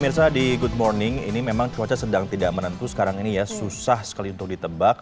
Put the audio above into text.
mirsa di good morning ini memang cuaca sedang tidak menentu sekarang ini ya susah sekali untuk ditebak